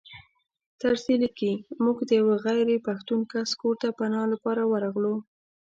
طرزي لیکي موږ د یوه غیر پښتون کس کور ته پناه لپاره ورغلو.